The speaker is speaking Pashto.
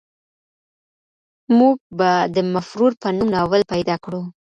موږ به د مفرور په نوم ناول پیدا کړو.